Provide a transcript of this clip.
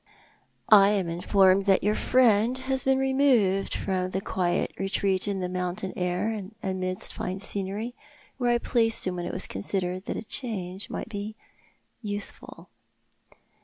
"I am informed that your friend has been removed from the quiet retreat in mountain air, and amidst fine scenery, where I placed him when it was considered that a change might be useful."